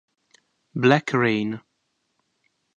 Black Rain